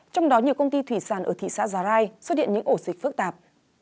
trong đó nhiều công ty thủy sản ở thị xã giá rai xuất hiện những ổ dịch phức tạp